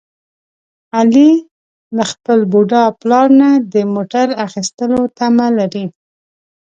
علي له خپل بوډا پلار نه د موټر اخیستلو تمه لري.